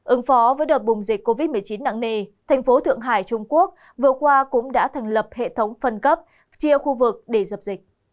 ứng phó với đợt bùng dịch covid một mươi chín nặng nề thành phố thượng hải trung quốc vừa qua cũng đã thành lập hệ thống phân cấp chia khu vực để dập dịch